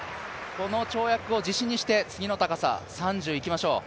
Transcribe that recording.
この跳躍を自信にして次の高さ、３０にいきましょう。